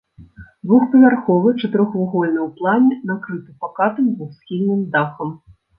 Двухпавярховы, чатырохвугольны ў плане, накрыты пакатым двухсхільным дахам.